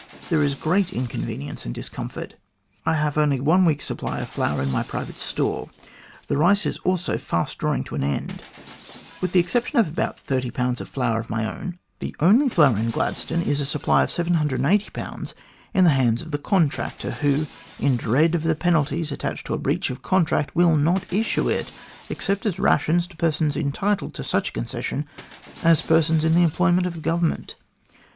There is great in convenience and discomfort. I have only one week's supply of flour in my private store. The rice also is fast drawing to an end. With the exception of about thirty Ibs. of flour of my own, THE CORRESPONDENCE OF SIR MAURICE O'CONNELL 141 the only flour in Gladstone is a supply of 780 Ibs. in the hands of the contractor, who, in dread of the penalties attached to a breach of contract, will not issue it except as rations to persons entitled to such a concession as persons in the employment of the Govern ment.